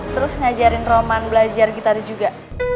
terus ngajarin roman belajar gitar juga